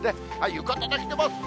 浴衣で来てます。